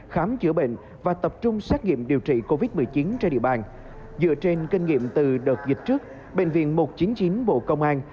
khám chữa bệnh và tập trung xét nghiệm điều trị covid một mươi chín trên địa bàn